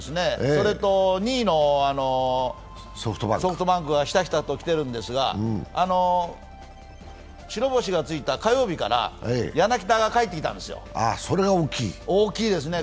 それと、２位のソフトバンクはひたひたと来ているんですが、白星がついた火曜日から柳田が帰ってきたんですよ、大きいですね。